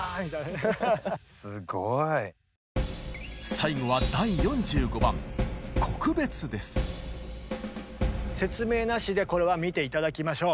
最後は説明なしでこれは見て頂きましょう。